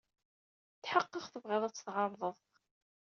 Tḥeqqeɣ tebɣid ad t-tɛerḍed.